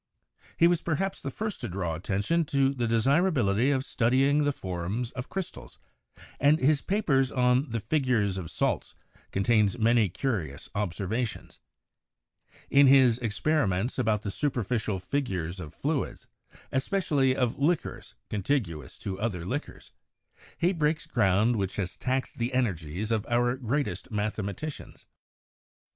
He was perhaps the first to draw attention to the desirability of studying the forms of crystals, and his paper on the 'Figures of Salts' contains many curious observations ; in his 'Experi ments about the Superficial Figures of Fluids, especially of Liquors contiguous to other Liquors,' he breaks ground which has taxed the energies of our greatest mathema ^ ticians.